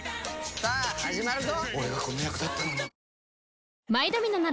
さぁはじまるぞ！